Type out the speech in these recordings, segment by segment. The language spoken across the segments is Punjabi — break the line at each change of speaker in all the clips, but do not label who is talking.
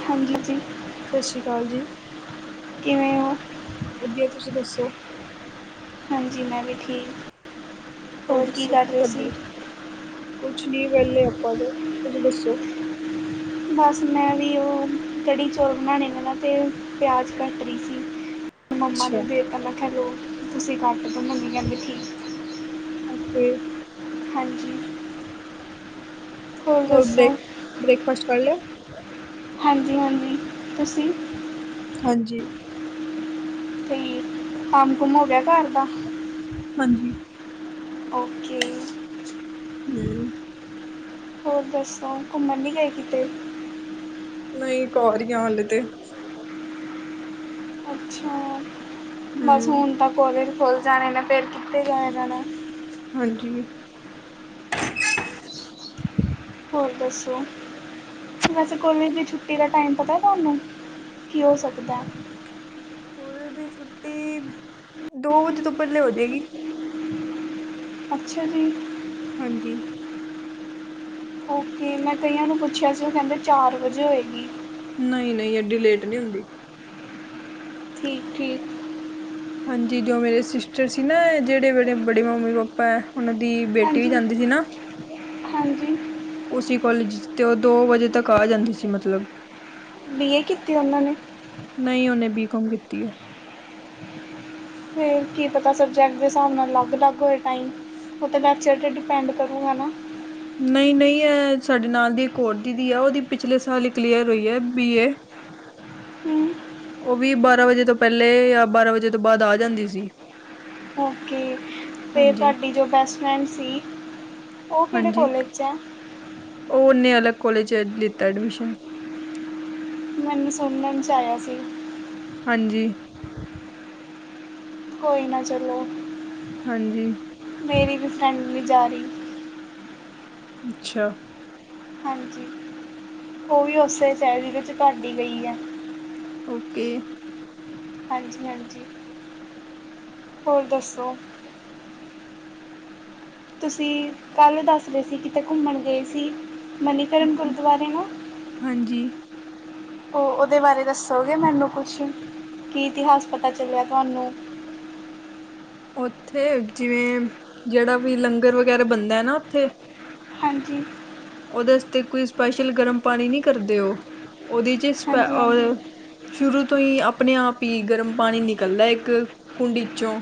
ਹਾਂਜੀ ਜੀ
ਸਤਿ ਸ਼੍ਰੀ ਅਕਾਲ ਜੀ
ਕਿਵੇਂ ਹੋ
ਵਧੀਆ, ਤੁਸੀਂ ਦੱਸੋ
ਹਾਂਜੀ, ਮੈਂ ਵੀ ਠੀਕ
ਹੋਰ ਦੱਸੋ ਕੀ ਕਰਦੇ ਪਏ ਸੀ, ਕੁਛ ਨਹੀਂ ਵੇਹਲੇ ਆਪਾਂ ਤੇ, ਤੁਸੀਂ ਦੱਸੋ।
ਬਸ ਮੈਂ ਵੀ ਉਹ ਕੜੀ ਚੋਲ ਬਣਾਉਣੇ ਹੈਨਾ, ਅਤੇ ਪਿਆਜ਼ ਘੱਟ ਰਹੀ ਸੀ।
[inaudible]
ਮੰਮਾ ਨੂੰ ਦੇਤਾ ਮੈਂ ਕਿਹਾ ਲੋ, ਤੁਸੀਂ ਕੱਟ ਦੋ, ਮੰਮੀ ਕਹਿੰਦੇ ਠੀਕ ਆ।
ਓਕੇ।
ਹਾਂਜੀ।
ਹੋਰ ਬ੍ਰੇਕ, ਬ੍ਰੇਕਫਾਸਟ ਕਰ ਲਿਆ।
ਹਾਂਜੀ ਹਾਂਜੀ ਤੁਸੀਂ
ਹਾਂਜੀ।
ਤੇ ਕੰਮ ਕੁਮ ਹੋ ਗਿਆ, ਘਰ ਦਾ।
ਹਾਂਜੀ।
ਔ ਕੇ।
ਹੂ
ਹੋਰ ਦੱਸੋ, ਘੁੰਮਣ ਨੀ ਗਏ ਕਿਤੇ
ਨਹੀਂ ਘਰ ਹੀ ਆ ਹਾਲੇ ਤੇ
ਅੱਛਾ ਬਸ
ਹਮ
ਹੁਣ ਤਾਂ ਕੋਲੇਜ ਖੁੱਲ੍ਹ ਜਾਣੇ ਨੇ, ਫੇਿਰ ਕਿੱਤੇ ਜਾਯਾ ਜਾਣਾ।
ਹਾਂਜੀ।
ਹੋਰ ਦੱਸੋ। ਵੈਸੇ ਕੋਲਜ ਦੀ ਛੁੱਟੀ ਦਾ ਟਾਈਮ ਪਤਾ ਤੁਹਾਨੂੰ, ਕੀ ਹੋ ਸਕਦਾ?
ਕੋਲੇਜ ਦੀ ਛੁੱਟੀ, ਦੋ ਵਜੇ ਤੋਂ ਪਹਿਲੇ ਹੋ ਜਾਏਗੀ।
ਅੱਛਾ ਜੀ।
ਹਾਂਜੀ।
ਓਕੇ, ਮੈਂ ਕਈਆਂ ਨੂੰ ਪੁੱਛਿਆ ਸੀ, ਉਹ ਕਹਿੰਦੇ ਚਾਰ ਵਜੇ ਹੋਏਗੀ।
ਨਹੀਂ-ਨਹੀਂ ਐਡੀ ਲੇਟ ਨਹੀਂ ਹੁੰਦੀ।
ਠੀਕ-ਠੀਕ।
ਹਾਂਜੀ, ਜੋ ਮੇਰੇ ਸਿਸਟਰ ਸੀ ਨਾ ਜਿਹੜੇ ਮੇੜੇ ਬੜੇ ਮੰਮੀ ਪਾਪਾ ਏ। ਉਹਨਾਂ ਦੀ ਬੇਟੀ ਵੀ
ਹਾਂਜੀ
ਜਾਂਦੀ ਸੀ ਨਾ
ਹਾਂਜੀ।
ਉਸ ਸੀ ਕੋਲਜ ਵਿਚ ਉਹ ਦੋ ਵਜੇ ਤੱਕ ਆ ਜਾਂਦੀ ਸੀ ਮਤਲਬ
ਬੀ ਏ ਕੀਤੀ ਉਹਨਾਂ ਨੇ
ਨੀ ਉਹਨੇ ਬੀਕੋਮ ਕੀਤੀ ਏ।
ਫਿਰ ਕੀ ਪਤਾ ਸਬਜੈਕਟ ਦੇ ਹਿਸਾਬ ਨਾਲ ਅਲੱਗ-ਅਲੱਗ ਹੋਏ ਟਾਈਮ ਉਹ ਤਾਂ ਲੈਕਚਰ ਤੇ ਡਿਪੈਂਡ ਕਰੂਗਾ ਨਾ
ਨਹੀਂ-ਨਹੀਂ ਇਹ ਸਾਡੇ ਨਾਲ ਦੀ ਇਕ ਹੋਰ ਦੀਦੀ ਆ ਉਹਦੀ ਪਿਛਲੇ ਸਾਲ ਕਲੀਅਰ ਹੋਈ ਏ ਬੀ ਏ
ਹੂੰ
ਉਹ ਵੀ ਬਾਰਾਂ ਵਜੇ ਤੋਂ ਪਹਿਲੇ ਜਾਂ ਬਾਰਾਂ ਵਜੇ ਤੋਂ ਬਾਅਦ ਆ ਜਾਂਦੀ ਸੀ।
ਓਕੇ। ਫੇਰ
ਹਾਂਜੀ
ਤੁਹਾਡੀ ਜੋ ਬੈਸਟ ਫਰੈਂਡ ਸੀ ਉਹ ਕਿਹੜੇ
ਹਾਂਜੀ
ਕੋਲੇਜ ਚ ਐ।
ਉਹ ਉਹਨੇ ਅਲੱਗ ਕੋਲੇਜ ਚ ਲਿੱਤਾ ਐਡਮਿਸ਼ਨ
ਮੈਨੂੰ ਸੁਣਣ ਚ ਆਇਆ ਸੀ।
ਹਾਂਜੀ।
ਕੋਈ ਨਾ ਚਲੋ
ਹਾਂਜੀ।
ਮੇਰੀ ਵੀ ਫਰੈਂਡ ਵੀ ਜਾ ਰਹੀ।
ਅੱਛਾ।
ਹਾਂਜੀ, ਉਹ ਵੀ ਉਸੇ ਚੈਏ ਜਿਹੜੇ ਵਿੱਚ ਤੁਹਾਡੀ ਗਈ ਐ।
ਓਕੇ।
ਹਾਂਜੀ-ਹਾਂਜੀ, ਹੋਰ ਦੱਸੋ? ਤੁਸੀਂ ਕੱਲ੍ਹ ਦੱਸ ਰਹੇ ਸੀ ਕਿਤੇ ਘੁੰਮਣ ਗਏ ਸੀ, ਮਨੀਕਰਨ
ਹਾਂਜੀ
ਗੁਰਦੁਆਰੇ ਨਾ
ਹਾਂਜੀ।
ਉਹ ਉਹਦੇ ਬਾਰੇ ਦੱਸੋਗੇ ਮੈਨੂੰ ਕੁਛ, ਕੀ ਇਤਿਹਾਸ ਪਤਾ ਚੱਲਿਆ ਤੁਹਾਨੂੰ?
ਉੱਥੇ ਜਿਵੇਂ ਜਿਹੜਾ ਵੀ ਲੰਗਰ ਵਗੈਰਾ ਬਣਦਾ ਏ ਨਾ ਉੱਥੇ
ਹਾਂਜੀ।
ਉਹਦੇ ਵਾਸਤੇ ਕੋਈ ਸਪੈਸ਼ਲ ਗਰਮ ਪਾਣੀ ਨਹੀਂ ਕਰਦੇ ਉਹ ਉਹਦੇ ਚ ਸਪ
ਹਾਂਜੀ
ਔ
ਹਾਂਜੀ
ਅ ਸ਼ੁਰੂ ਤੋਂ ਹੀ ਆਪਣੇ ਆਪ ਈ ਗਰਮ ਪਾਣੀ ਨਿਕਲਦਾ ਇੱਕ ਕੁੰਡੀ ਚੋਂ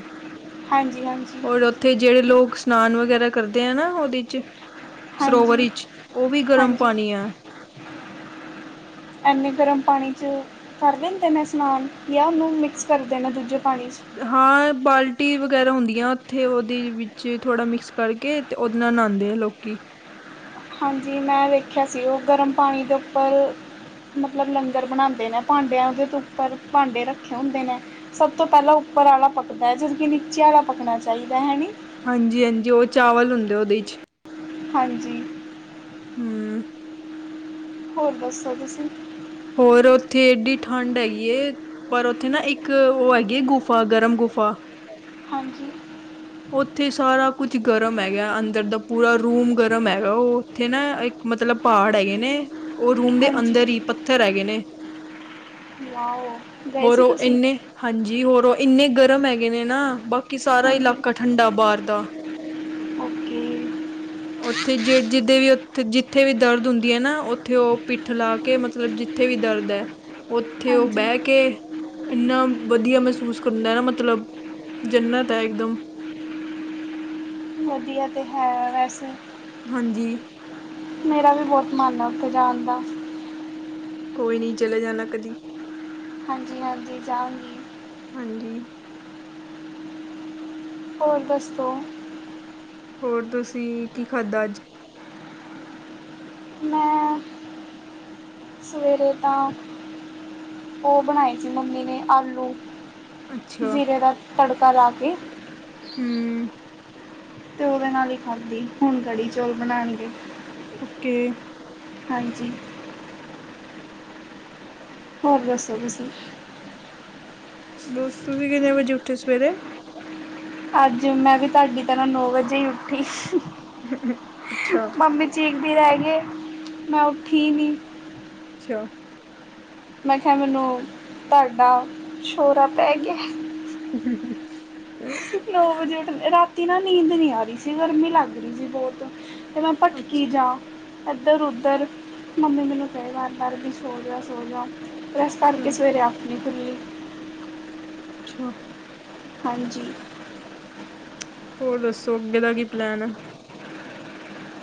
ਹਾਂਜੀ-ਹਾਂਜੀ।
ਔਰ ਉੱਥੇ ਜਿਹੜੇ ਲੋਕ ਸ਼ਨਾਨ ਵਗੈਰਾ ਕਰਦੇ ਆ ਨਾ, ਉਹਦੇ ਚ ਸਰੋਵਰ
ਹਾਂਜੀ
ਵਿਚ, ਉਹ ਵੀ ਗਰਮ
ਹਾਂਜੀ
ਪਾਣੀ ਐ।
ਇੰਨੇ ਗਰਮ ਪਾਣੀ ਚ ਕਰ ਲੈਂਦੇ ਨੇ ਸਮਾਨ ਜਾਂ ਉਹਨੂੰ ਮਿਕਸ ਕਰਦੇ ਨੇ ਦੂਜੇ ਪਾਣੀ ਚ
ਹਾਂ ਬਾਲਟੀ ਵਗੈਰਾ ਹੁੰਦੀਆਂ ਉੱਥੇ ਉਹਦੇ ਵਿੱਚ ਥੋੜ੍ਹਾ ਮਿਕਸ ਕਰਕੇ ਤੇ ਉਹਦੇ ਨਾਲ ਨਾਦੇ ਆ ਲੋਕੀ।
ਹਾਂਜੀ, ਮੈਂ ਵੇਖਿਆ ਸੀ ਉਹ ਗਰਮ ਪਾਣੀ ਦੇ ਉੱਪਰ ਮਤਲਬ ਲੰਗਰ ਬਣਾਦੇ ਨੇ, ਭਾਂਡਿਆਂ ਦੇ ਉੱਪਰ ਭਾਂਡੇ ਰੱਖੇ ਹੁੰਦੇ ਨੇ। ਸਭ ਤੋਂ ਪਹਿਲਾਂ ਉੱਪਰ ਆਲਾ ਪਕਦਾ ਐ, ਜੱਦ ਕਿ ਨੀਚੇ ਆਲਾ ਪੱਕਣਾ ਚਾਹੀਦਾ ਹੈਨੀ।
ਹਾਂਜੀ-ਹਾਂਜੀ, ਉਹ ਚਾਵਲ ਹੁੰਦੇ ਉਹਦੇ ਚ
ਹਾਂਜੀ
ਹੂੰ,
ਹੋਰ ਦੱਸੋ ਤੁਸੀਂ
ਹੋਰ ਉੱਥੇ ਏਡੀ ਠੰਡ ਹੈਗੀ ਏ ਪਰ ਉੱਥੇ ਨਾ ਇੱਕ ਉਹ ਹੈਗੀ ਐ ਗੁਫਾ, ਗਰਮ ਗੁਫਾ।
ਹਾਂਜੀ।
ਉੱਥੇ ਸਾਰਾ ਕੁਝ ਗਰਮ ਹੈਗਾ, ਅੰਦਰ ਦਾ ਪੂਰਾ ਰੂਮ ਗਰਮ ਹੈਗਾ ਉਹ। ਉੱਥੇ ਨਾ ਇੱਕ ਮਤਲਬ ਪਹਾੜ ਹੈਗੇ ਨੇ, ਉਹ ਰੂਮ ਦੇ ਅੰਦਰ ਹੀ ਪੱਥਰ ਹੈਗੇ ਨੇ।
ਹਾਂ, ਉਹ
ਹੋਰ ਉਹ ਇੰਨੇ ਹਾਂਜੀ, ਹੋਰ ਉਹ ਇੰਨੇ ਗਰਮ ਹੈਗੇ ਨੇ ਨਾ ਬਾਕੀ ਸਾਰਾ
ਹਾਂਜੀ
ਇਲਾਕਾ ਠੰਡਾ ਬਾਹਰ ਦਾ।
ਓਕੇ
ਉੱਥੇ ਜੇ ਜਿੱਦੇ ਵੀ ਉੱਥੇ ਜਿੱਥੇ ਵੀ ਦਰਦ ਹੁੰਦੀ ਹੈ ਨਾ, ਉੱਥੇ ਉਹ ਪਿੱਠ ਲਾ ਕੇ ਮਤਲਬ ਜੇ ਜਿਥੇ ਵੀ ਦਰਦ ਐ, ਉੱਥੇ ਉਹ
ਹਾਂਜੀ
ਬਹਿ ਕੇ ਇੰਨਾ ਵਧੀਆ ਮਹਿਸੂਸ ਹੁੰਦਾ ਨਾ, ਮਤਲਬ ਜੰਨਤ ਹੈ ਇਕਦਮ।
ਵਧੀਆ ਤੇ ਹੈ, ਵੈਸੇ।
ਹਾਂਜੀ,
ਮੇਰਾ ਵੀ ਬਹੁਤ ਮਨ ਆ ਉੱਥੇ ਜਾਣ ਦਾ।
ਕੋਈ ਨੀ ਚਲੇ ਜਾਣਾ ਕਦੀ।
ਹਾਂਜੀ -ਹਾਂਜੀ ਜਾਊਂਗੀ।
ਹਾਂਜੀ,
ਹੋਰ ਦੱਸੋ
ਹੋਰ ਤੁਸੀਂ ਕੀ ਖਾਧਾ ਅੱਜ।
ਮੈਂ ਸਵੇਰੇ ਤਾਂ ਉਹ ਬਣਾਏ ਸੀ, ਮੰਮੀ ਨੇ ਆਲੂ।
ਅੱਛਾ
ਜ਼ੀਰੇ ਦਾ ਤੜਕਾ ਲਾ ਕੇ।
ਹੂੰ,
ਤੇ ਉਹਦੇ ਨਾਲ ਹੀ ਖਾਧੀ, ਹੁਣ ਕੜੀ ਚੌਲ ਬਣਾਣਗੇ।
ਓਕੇ,
ਹਾਂਜੀ, ਹੋਰ ਦੱਸੋ ਤੁਸੀਂ
ਤੁ ਤੁਸੀਂ ਕਿੰਨੇ ਵਜੇ ਉੱਠੇ ਸਵੇਰੇ।
ਅੱਜ ਮੈਂ ਵੀ ਤੁਹਾਡੀ ਤਰ੍ਹਾਂ ਨੌ ਵਜੇ ਹੀ ਉੱਠੀ,
ਅੱਛਾ
ਮੰਮੀ ਚੀਕਦੀ ਰਹਿ ਗਏ, ਮੈਂ ਉੱਠੀ ਨੀ।
ਅੱਛਾ,
ਮੈਂ ਕਿਹਾ, ਮੈਨੂੰ ਤੁਹਾਡਾ ਸ਼ੋਰਾ ਪੈ ਗਿਆ।
ਹੂੰ-ਹੂੰ-ਹੂੰ ਤੇ
ਨੌ ਵਜੇ ਉੱਠ, ਰਾਤੀ ਨਾ ਨੀਂਦ ਨੀ ਆ ਰਹੀ ਸੀ, ਗਰਮੀ ਲੱਗ ਰਹੀ ਸੀ ਬਹੁਤ, ਤੇ ਮੈਂ
ਅੱਛ
ਭਟਕੀ ਜਾ ਇੱਧਰ- ਉੱਧਰ ਮੰਮੀ ਮੈਨੂੰ ਕਹੇ ਵਾਰ- ਵਾਰ ਵੀ ਸੋ ਜਾ, ਸੋ ਜਾ। ਉਸ ਕਰਕੇ
ਅੱਛਾ
ਸਵੇਰੇ ਅੱਖ ਨਹੀਂ ਖੁੱਲੀ
ਅੱਛਾ
ਹਾਂਜੀ
ਹੋਰ ਦੱਸੋ ਮੇਰਾ ਕੀ ਪਲੈਨ ਹੈ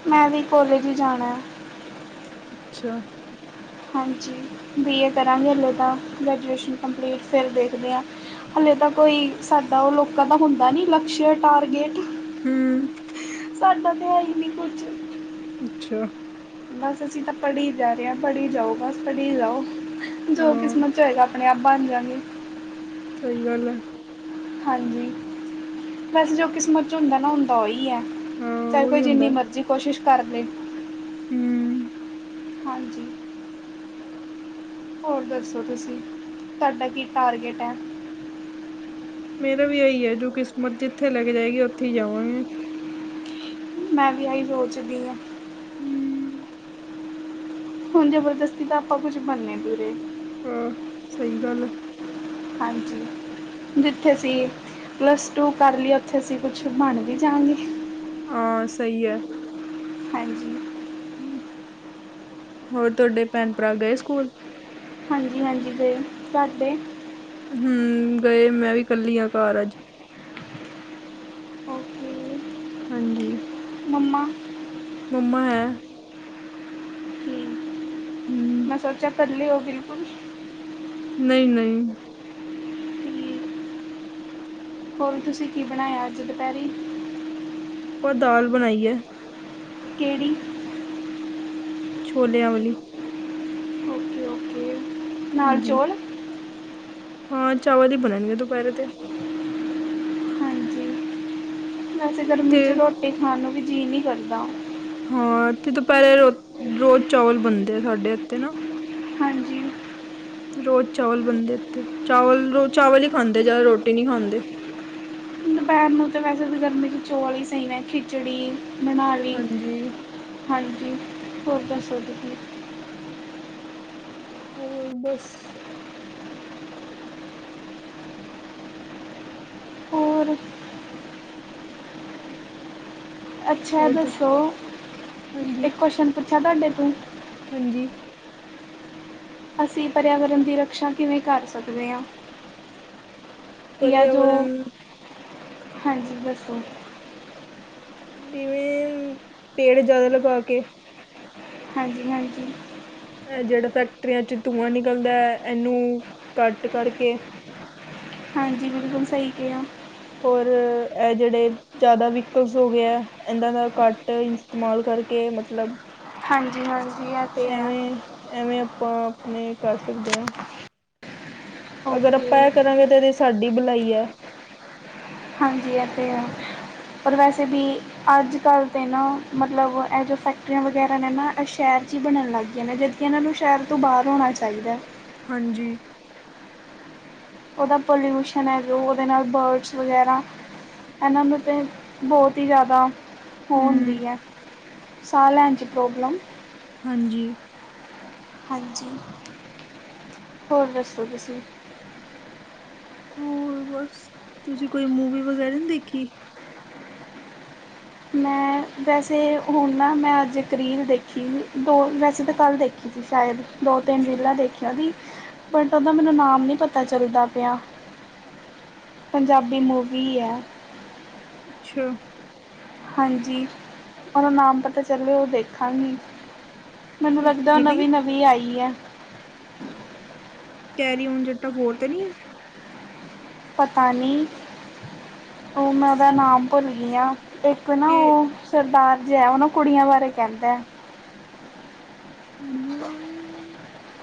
ਮੈਂ ਵੀ ਕੋਲੇਜ ਹੀ ਜਾਣਾ
ਅੱਛਾ
ਹਾਂਜੀ ਬੀ ਏ ਕਰਾਂਗੇ ਹਲੇ ਤਾਂ, ਗ੍ਰੈਜੂਏਸ਼ਨ ਕੰਪਲੀਟ ਫਿਰ ਦੇਖਦੇ ਹਾਂ। ਹਲੇ ਤਾਂ ਕੋਈ ਸਾਡਾ ਉਹ ਲੋਕਾਂ ਦਾ ਹੁੰਦਾ ਨੀ ਲਕਸ਼, ਟਾਰਗੇਟ
ਹੂੰ
ਸਾਡਾ ਤਾਂ ਹੈ ਹੀ ਨੀ ਕੁਛ
ਅੱਛਿਆ
ਬਸ ਅਸੀਂ ਤਾਂ ਪੜ੍ਹੀ ਜਾ ਰਹੇ ਹਾਂ, ਪੜ੍ਹੀ ਜਾਓ, ਬਸ ਪੜ੍ਹੀ ਜਾਓ ਜੋ
ਹਾਂ
ਕਿਸਮਤ ਚ ਹੋਏਗਾ, ਆਪਣੇ ਆਪ ਬਣ ਜਾਂਗੇ।
ਸਹੀ ਗੱਲ ਐ।
ਹਾਂਜੀ, ਵੈਸੇ ਜੋ ਕਿਸਮਤ ਚ ਹੁੰਦਾ ਨਾ, ਹੁੰਦਾ ਉਹੀ ਐ।
ਹਾਂ
ਚਾਹੇ ਕੋਈ
ਉਹੀ ਹੁੰਦਾ
ਜਿੰਨੀ ਮਰਜ਼ੀ ਕੋਸ਼ਿਸ਼ ਕਰਲੇ।
[unintelligible]
ਹਾਂਜੀ ਹੋਰ ਦੱਸੋ ਤੁਸੀਂ ਤੁਹਾਡਾ ਕੀ ਟਾਰਗੇਟ ਹੈ
ਮੇਰਾ ਵੀ ਇਹੀ ਹੈ ਜੋ ਕਿਸਮਤ ਜਿੱਥੇ ਲੈ ਕੇ ਜਾਏਗੀ ਉੱਥੇ ਹੀ ਜਾਵਾਂਗੇ
ਮੈਂ ਵੀ ਆਹੀ ਸੋਚਦੀ ਹਾਂ
[unintelligible]
ਹੁਣ ਜਬਰਦਸਤੀ ਤਾਂ ਆਪਾਂ ਕੁੱਝ ਬਣਨੇ ਤੋਂ ਰਹੇ
ਹਾਂ ਸਹੀ ਗੱਲ ਹੈ
ਹਾਂਜੀ ਜਿੱਥੇ ਅਸੀਂ ਪਲੱਸ ਟੂ ਕਰ ਲਏ ਉੱਥੇ ਅਸੀਂ ਕੁਛ ਬਣ ਵੀ ਜਾਵਾਂਗੇ
ਹਾਂ ਸਹੀ ਹੈ
ਹਾਂਜੀ
ਹਮ ਹੋਰ ਤੁਹਾਡੇ ਭੈਣ ਭਰਾ ਗਏ ਸਕੂਲ
ਹਾਂਜੀ ਹਾਂਜੀ ਗਏ ਤੁਹਾਡੇ
ਹਮ ਗਏ ਮੈਂ ਵੀ ਕੱਲੀ ਹਾ ਘਰ ਅੱਜ
ਓਕੇ
ਹਾਂਜੀ
ਮੰਮਾ
ਮੰਮਾ ਹੈ
ਠੀਕ
[unintelligible]
ਮੈਂ ਸੋਚਿਆ ਕੱਲੇ ਹੋ ਬਿਲਕੁਲ
ਨਹੀਂ ਨਹੀਂ
ਠੀਕ ਹੋਰ
ਜੀ
ਤੁਸੀਂ ਕੀ ਬਣਾਇਆ ਅੱਜ ਦੁਪਹਿਰੀ
ਆਪਾਂ ਦਾਲ ਬਣਾਈਏ
ਕਿਹੜੀ
ਛੋਲਿਆਂ ਵਾਲੀ
ਓਕੇ ਓਕੇ ਨਾਲ
ਹਾਂਜੀ
ਚੌਲ
ਹਾਂ ਚਾਵਲ ਹੀ ਬਣਣਗੇ ਦੁਪਹਿਰੇ ਤੇ
ਹਾਂਜੀ ਵੈਸੇ ਗਰਮੀ
ਤੇ
'ਚ ਰੋਟੀ ਖਾਣ ਨੂੰ ਵੀ ਜੀਅ ਨਹੀਂ ਕਰਦਾ
ਹਾਂ ਇਥ ਦੁਪਹਿਰੇ ਰੋ ਰੋਜ਼ ਚਾਵਲ ਬਣਦੇ ਆ ਸਾਡੇ ਇੱਥੇ ਨਾ
ਹਾਂਜੀ
ਰੋਜ਼ ਚਾਵਲ ਬਣਦੇ ਇੱਥੇ ਚਾਵਲ ਰੋਜ ਚਾਵਲ ਹੀ ਖਾਂਦੇ ਜਾਦਾ ਰੋਟੀ ਨਹੀਂ ਖਾਂਦੇ
ਦੁਪਹਿਰ ਨੂੰ ਤਾਂ ਵੈਸੇ ਤਾਂ ਗਰਮੀ ' ਚੌਲ ਹੀ ਸਹੀ ਨੇ ਖਿਚੜੀ ਬਨਾਲੀ
ਹਾਂਜੀ
ਹਾਂਜੀ ਹੋਰ ਦੱਸੋ ਤੁਸੀ
ਹੋਰ ਬਸ
ਹੋਰ ਅੱਛਾ
ਹੋਰ ਤੁ
ਦੱਸੋ
ਹਾਂਜੀ
ਇੱਕ ਕੋਸ਼ਚਨ ਪੁੱਛਾ ਤੁਹਾਡੇ ਤੋਂ
ਹਾਂਜੀ
ਅਸੀਂ ਪਰਿਆਵਰਨ ਦੀ ਰਕਸ਼ਾ ਕਿਵੇਂ ਕਰ ਸਕਦੇ ਹਾਂ? ਯਾ ਜੋਂ
ਪਰਿਆਵਰਨ
ਹਾਂਜੀ ਦਾ
ਜਿਵੇਂ ਪੇੜ ਜਿਆਦਾ ਲਗਾ ਕੇ
ਹਾਂਜੀ ਹਾਂਜੀ
ਇਹ ਜਿਹੜਾ ਫੈਕਟਰੀਆਂ 'ਚ ਧੂੰਆਂ ਨਿਕਲਦਾ ਇਹਨੂੰ ਘਟ ਕਰਕੇ
ਹਾਂਜੀ ਬਿਲਕੁਲ ਸਹੀ ਕਿਹਾ
ਹੋਰ ਐ ਜਿਹੜੇ ਜ਼ਾਦਾ ਵਹੀਕਲਸ ਹੋ ਗਏ ਇਹਨਾਂ ਦਾ ਘੱਟ ਇਸੰਤੇਮਾਲ ਕਰਕੇ ਮਤਲਬ
ਹਂਜੀ ਹਂਜੀ ਆ ਤੇ ਆ
ਐਵੇਂ ਐਵੇਂ ਆਪਾਂ ਆਪਣੇ ਕਰ ਸਕਦੇ ਆ ਅਗਰ ਆਪਾਂ
ਓਕੇ
ਇਹ ਕਰਾਂਗੇ ਤੇ ਇਹਦੀ ਵਿਚ ਸਾਡੀ ਬਲਾਈ ਐ
ਹਂਜੀ ਹਂਜੀ ਆ ਪਰ ਵੈਸੇ ਬੀ ਅੱਜ ਕੱਲ੍ਹ ਤਾਂ ਨਾ ਮਤਲਬ ਇਹ ਜੋ ਫੈਕਟਰੀਆਂ ਵਗੈਰਾ ਨੇ ਨਾ ਇਹ ਸ਼ਹਿਰ 'ਚ ਹੀ ਬਣਨ ਲੱਗ ਗਈਆਂ ਨੇ ਜਿੱ ਕਿ ਇਹਨਾਂ ਨੂੰ ਸ਼ਹਿਰ ਤੋਂ ਬਾਹਰ ਹੋਣਾ ਚਾਹੀਦਾ
ਹਾਂਜੀ
ਉਹਦਾ ਪੋਲਿਊਸ਼ਨ ਹੈ ਜੋ ਉਹਦੇ ਨਾਲ ਬਰਡਸ ਵਗੈਰਾ ਇਹਨਾਂ ਦੇ ਉ ਤਾਂ ਬਹੁਤ ਹੀ ਜ਼ਿਆਦਾ ਉਹ
ਹੂੰ
ਹੁੰਦੀ ਹੈ ਸਾਹ ਲੈਣ ਦੀ ਪ੍ਰੋਬਲਮ
ਹਾਂਜੀ
ਹਾਂਜੀ ਹੋਰ ਦੱਸੋ ਤੁਸੀਂ
ਹੋਰ ਬਸ ਤੁਸੀਂ ਕੋਈ ਮੂਵੀ ਵਗੈਰਾ ਨਹੀਂ ਦੇਖੀ
ਮੈਂ ਵੈਸੇ ਹੁਣ ਨਾ ਮੈਂ ਅੱਜ ਇੱਕ ਰੀਲ ਦੇਖੀ ਦੋ ਵੈਸੇ ਤਾਂ ਕੱਲ੍ਹ ਦੇਖੀ ਸੀ ਸ਼ਾਇਦ, ਦੋ ਤਿੰਨ
ਅੱਛਾ
ਰੀਲਾਂ ਦੇਖੀਆਂ ਦੀ ਪਰ ਉਹਦਾ ਮੈਨੂੰ ਨਾਮ ਨਹੀਂ ਪਤਾ ਚੱਲਦਾ ਪੰਜਾਬੀ ਮੂਵੀ ਆ
[inaudible]
ਹਾਂਜੀ, ਉਹਨੂੰ ਨਾਮ ਪਤਾ ਚੱਲੇ ਉਹ ਦੇਖਾਂਗੀ ਮੈਨੂੰ ਲੱਗਦਾ ਉਹ ਨਵੀਂ ਨਵੀਂ ਆਈ ਹੈ
ਕੈਰੀ ਉਨ ਜੱਟਾ ਫੋਰ ਤੇ ਨਹੀ, ਐ
ਪਤਾ ਨੀ, ਉਹਨਾ ਦਾ ਨਾਮ ਭੁੱਲ ਗਈ ਹਾਂ ਤੇ ਉ ਨਾ
ਕਿ
ਇਕ ਸਰਦਾਰ ਜੇਹਾ ਐ ਉਹਨੁ ਕੁੜੀਆ ਥਾਰੇ ਕਹਿਣਦਾ ਐ
ਕੁੜੀਆਂ ਵਾਰੇ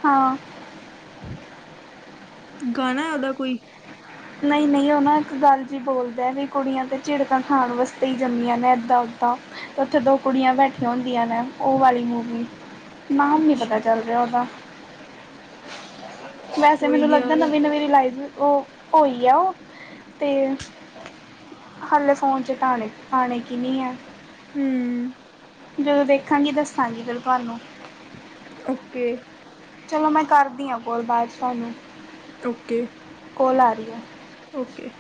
ਹਾਂ
ਗਾਨਾ ਆ ਉਦਾ ਕੋਈ
ਨਹੀਂ ਨਹੀਂ ਉਹ ਨਾ ਇੱਕ ਗੱਲ ਜੀ ਬੋਲਦਾ ਐ ਵਈ ਕੁੜੀਆਂ ਤਾਂ ਝਿੜਕਾਂ ਖਾਣ ਵਸਤੇ ਈ ਜੰਮੀਆਂ ਨੇ ਇੱਦਾਂ ਉੱਦਾਂ ਉੱਥੇ ਦੋ ਕੁੜੀਆਂ ਬੈਠੀਆਂ ਹੁੰਦੀਆਂ ਨੇ ਉਹ ਵਾਲੀ ਮੂਵੀ ਨਾਮ ਨਹੀਂ ਪਤਾ
ਅੱਛਾ
ਚੱਲ ਰਿਹਾ ੳਹਦਾ ਵੈਸੇ
ਕੋਈ
ਮੈਨੂੰ
ਨੀ
ਲੱਗਦਾ
ਯਾਰ
ਨਵੀਂ ਨਵੀਂ ਰਿਲਾਈਜ਼ ਉਹ ਹੋਈ ਆ ਉਹ ਤੇ ਹਾਲੇ ਫੋਨ ਚ ਣੇ ਆਣੇ ਕਿ ਨਹੀਂ ਹੈ।
ਹਮ
ਜਦੋਂ ਦੇਖਾਂਗੀ ਦਸਾਂਗੀ ਫੇਰ ਤੁਹਾਨੂੰ
ਓਕੇ
ਚਲੋ ਮੈਂ ਕਰਦੀ ਆ ਕੋਲ ਬਾਅਦ ਚੇ ਤੁਹਾਨੰ
ਓਕੇ
ਕੋਲ ਆ ਰੀ ਏ,
ਓਕੇ